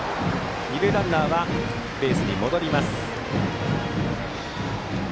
二塁ランナーはベースに戻ります。